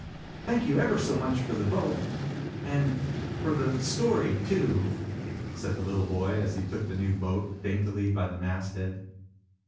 "Thank you ever so much for the boat, and for the story, too," said the little boy, as he took the new boat daintily by the mast head.